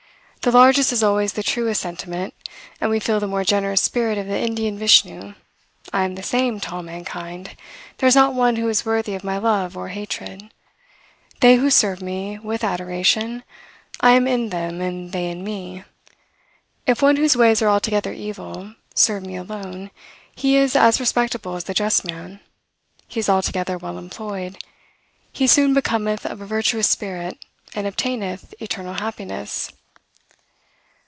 The largest is always the truest sentiment, and we feel the more generous spirit of the Indian Vishnu, "I am the same to all mankind. There is not one who is worthy of my love or hatred. They who serve me with adoration, I am in them, and they in me. If one whose ways are altogether evil, serve me alone, he is as respectable as the just man; he is altogether well employed; he soon becometh of a virtuous spirit, and obtaineth eternal happiness."